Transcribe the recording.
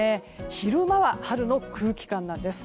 昼間は春の空気感なんです。